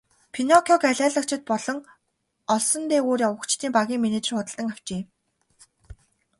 Пиноккиог алиалагчид болон олсон дээгүүр явагчдын багийн менежер худалдан авчээ.